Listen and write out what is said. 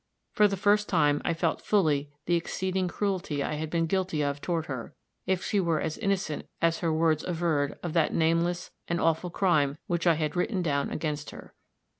For the first time, I felt fully the exceeding cruelty I had been guilty of toward her, if she were as innocent as her words averred of that nameless and awful crime which I had written down against her.